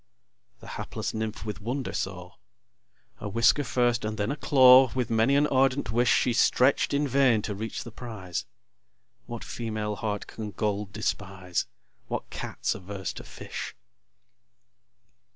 The hapless Nymph with wonder saw: A whisker first and then a claw, With many an ardent wish, She stretch'd in vain to reach the prize. What female heart can gold despise? What Cat's averse to fish?